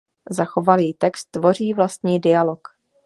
Zachovalý text tvoří vlastní dialog.